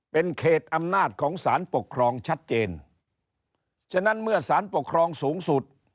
เป็นเขตอำนาจของสารปกครองชัดเจนฉะนั้นเมื่อสารปกครองสูงสุด